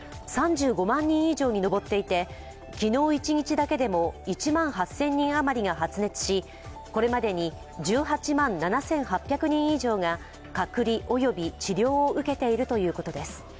３５万人以上に上っていて昨日一日だけでも、１万８０００人余りが発熱しこれまでに１８万７８００人以上が隔離および治療を受けているということです。